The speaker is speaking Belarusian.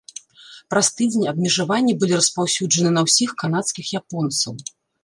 Праз тыдзень абмежаванні былі распаўсюджаны на ўсіх канадскіх японцаў.